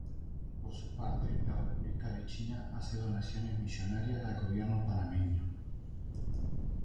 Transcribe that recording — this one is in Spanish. Por su parte, la República de China hace donaciones millonarias al gobierno panameño.